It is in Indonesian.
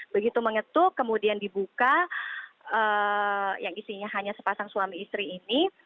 begitu mengetuk kemudian dibuka yang isinya hanya sepasang suami istri ini